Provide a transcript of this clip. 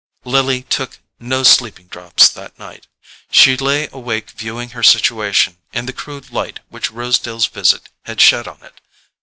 Lily took no sleeping drops that night. She lay awake viewing her situation in the crude light which Rosedale's visit had shed on it.